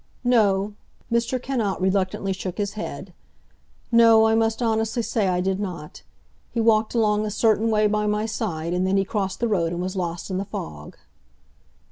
"No." Mr. Cannot reluctantly shook his head. "No, I must honestly say I did not. He walked along a certain way by my side, and then he crossed the road and was lost in the fog."